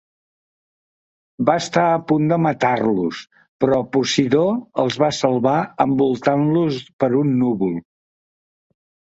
Va estar a punt de matar-los, però Posidó els va salvar envoltant-los per un núvol.